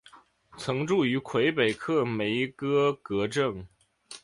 曾居住于魁北克梅戈格镇。